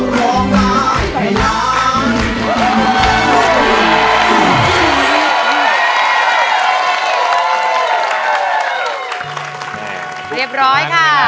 เรียบร้อยค่ะ